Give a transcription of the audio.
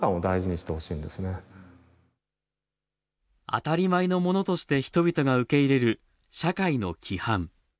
当たり前のものとして人々が受け入れる社会の規範。